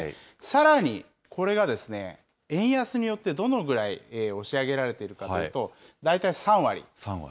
さらに、これが円安によってどのぐらい押し上げられているかというと、大体３割。